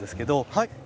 はい。